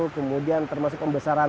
kemudian termasuk pembesaran